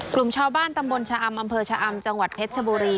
กลุ่มชาวบ้านตำบลชะอำอำเภอชะอำจังหวัดเพชรชบุรี